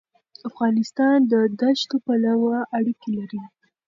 افغانستان د دښتو پلوه اړیکې لري.